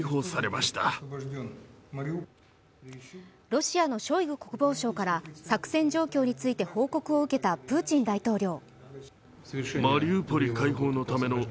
ロシアのショイグ国防相から作戦状況について報告を受けたプーチン大統領。